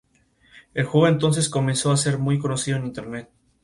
Gracias a estos contrastes de luces y sombras se logra una impresión de profundidad.